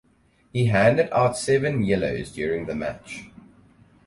He handed out seven yellows during the match.